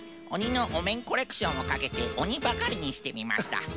おにのおめんコレクションをかけておにばかりにしてみました。